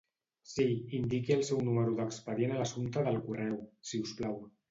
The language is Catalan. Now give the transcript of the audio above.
Sí, indiqui el seu número d'expedient a l'assumpte del correu, si us plau.